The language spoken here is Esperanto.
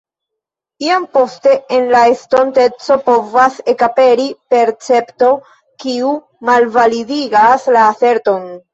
Iam poste en la estonteco povas ekaperi percepto, kiu malvalidigas la aserton.